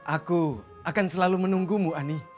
aku akan selalu menunggumu ani